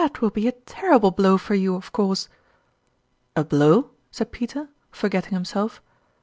" That will be a terrible blow for you, of course ?"" A blow ?" said Peter, forgetting himself.